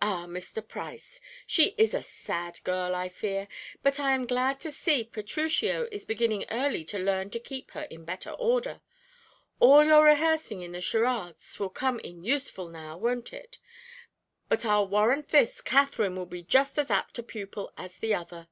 Ah, Mr. Price, she is a sad girl, I fear, but I am glad to see Petruchio is beginning early to learn to keep her in better order. All your rehearsing in the charades will come in useful now, won't it? but I'll warrant this Katherine will be just as apt a pupil as the other."